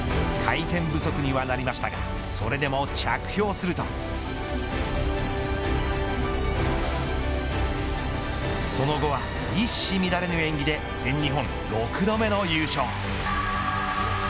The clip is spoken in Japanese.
回転不足にはなりましたがそれでも着氷するとその後、一糸乱れぬ演技で全日本６度目の優勝。